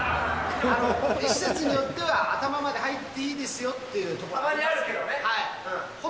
施設によっては、頭まで入っていいですよっていうところたまにありますけどね。